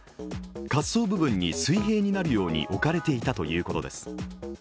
滑走部分に水平になるように置かれていたということです。